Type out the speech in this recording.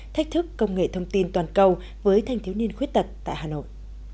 thách thức công nghệ thông tin toàn cầu với thanh thiếu niên khuyết tật tại hà nội